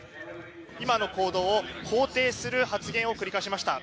今の行動を肯定する発言を繰り返しました。